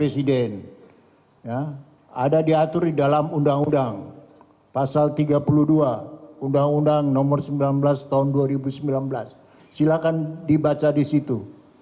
silahkan dibaca di situ